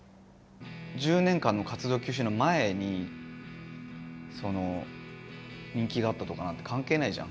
１０年間の活動休止の前にその人気があったとかなんて関係ないじゃん。